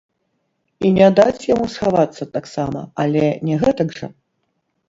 І не даць яму схавацца таксама, але не гэтак жа!